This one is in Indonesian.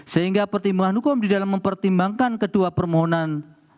sehingga pertimbangan hukum di dalam mempertimbangkan kedua permohonan